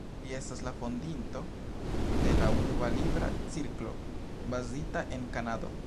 Li estas la fondinto de la Urba Libra Cirklo, bazita en Kanado.